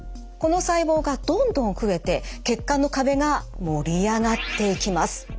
この細胞がどんどん増えて血管の壁が盛り上がっていきます。